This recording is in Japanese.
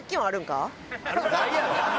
ないやろ！